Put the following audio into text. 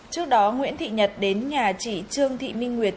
trước đó nguyễn thị nhật đến nhà chị trương thị minh nguyệt